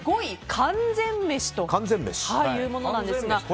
５位、完全メシというものですが。